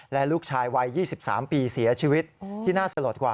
และลูกชายวัย๒๓ปีเสียชีวิตที่น่าสลดกว่า